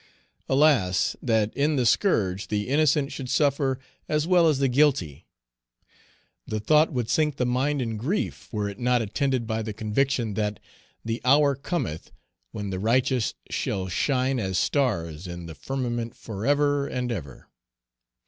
Alas! that in the scourge the innocent should suffer as well as the guilty. The thought would sink the mind in grief, were Page 290 it not attended by the conviction that "the hour cometh" when the righteous shall shine as stars in the firmament forever and ever.